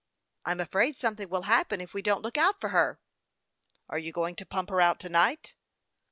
" I'm afraid something will happen if we don't look out for her." " Are you going to pump her out to night